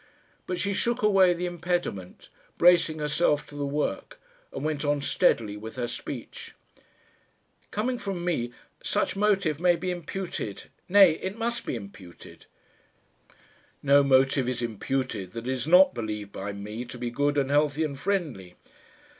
But she shook away the impediment, bracing herself to the work, and went on steadily with her speech. "Coming from me, such motive may be imputed nay, it must be imputed." "No motive is imputed that is not believed by me to be good and healthy and friendly."